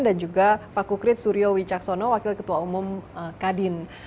dan juga pak kukrit suryo wijaksono wakil ketua umum kak din